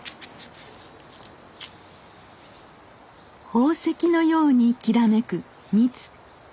宝石のようにきらめく蜜。